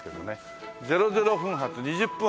００分発２０分発